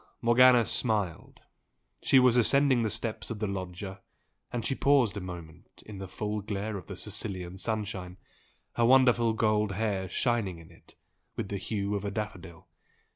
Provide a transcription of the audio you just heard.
Morgana smiled. She was ascending the steps of the loggia, and she paused a moment in the full glare of the Sicilian sunshine, her wonderful gold hair shining in it with the hue of a daffodil.